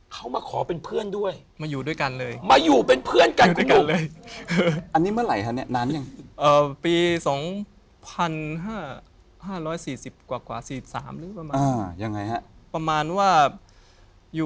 เขาใส่เสื้อลายลาย